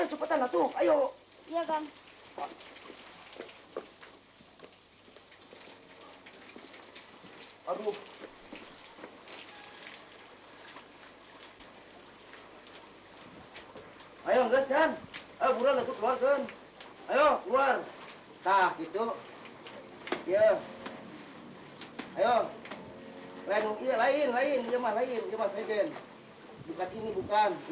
hai ayo nge shaan abu abu organ ayo keluar tak itu ya ayo lain lain lain lain